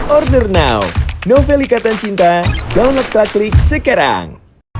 order now novel ikatan cinta download praklik sekarang